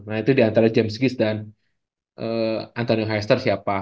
nah itu diantara james gies dan anthony heister siapa